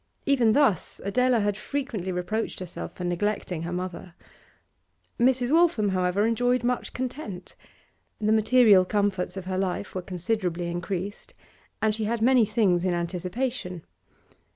Even thus, Adela had frequently reproached herself for neglecting her mother. Mrs. Waltham, however, enjoyed much content. The material comforts of her life were considerably increased, and she had many things in anticipation.